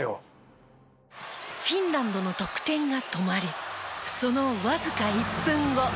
フィンランドの得点が止まりそのわずか１分後。